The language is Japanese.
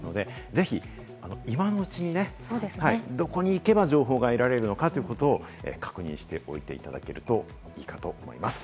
ぜひ今のうちにね、どこに行けば情報が得られるのかということを確認しておいていただければと思います。